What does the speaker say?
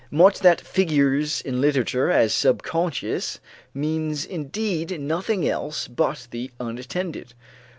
Much that figures in literature as subconscious means indeed nothing else but the unattended.